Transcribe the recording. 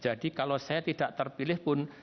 jadi kalau saya tidak terpilih pun